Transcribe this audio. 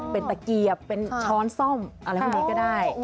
เป็นตะเกียบเป็นช้อนซ่อมอะไรพวกนี้ก็ได้